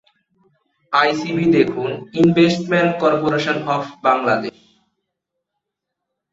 ICB দেখুন investment corporation of Bangladesh.